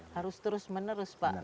harus terus menerus pak